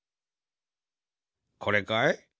これかい？